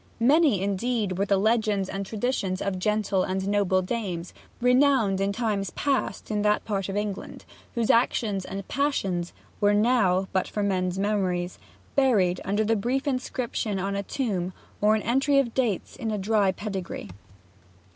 Many, indeed, were the legends and traditions of gentle and noble dames, renowned in times past in that part of England, whose actions and passions were now, but for men's memories, buried under the brief inscription on a tomb or an entry of dates in a dry pedigree.